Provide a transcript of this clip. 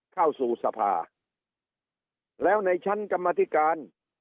เข้าสู่สภาแล้วในชั้นกรรมธิการ